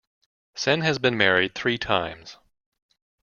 Sen has been married three times.